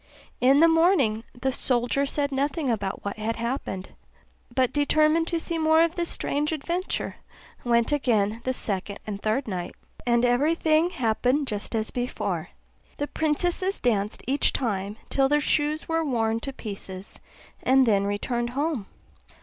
In the morning the soldier said nothing about what had happened, but determined to see more of this strange adventure, and went again the second and third night; and every thing happened just as before; the princesses danced each time till their shoes were worn to pieces, and then returned home.